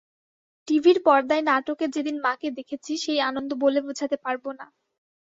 টিভির পর্দায় নাটকে যেদিন মাকে দেখেছি, সেই আনন্দ বলে বোঝাতে পারব না।